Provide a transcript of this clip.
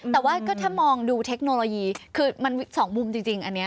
แต่ว่าก็ถ้ามองดูเทคโนโลยีคือมันสองมุมจริงอันนี้